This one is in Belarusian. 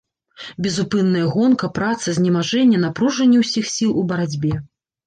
Безупынная гонка, праца, знемажэнне, напружанне ўсіх сіл у барацьбе.